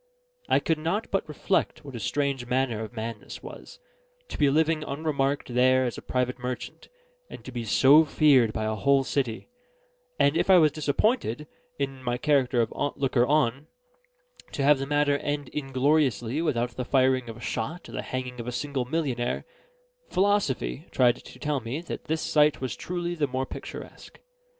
I could not but reflect what a strange manner of man this was, to be living unremarked there as a private merchant, and to be so feared by a whole city; and if I was disappointed, in my character of looker on, to have the matter end ingloriously without the firing of a shot or the hanging of a single millionnaire, philosophy tried to tell me that this sight was truly the more picturesque.